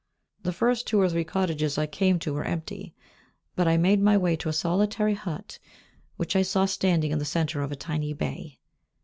The first two or three cottages I came to were empty, but I made my way to a solitary hut which I saw standing in the centre of a tiny bay.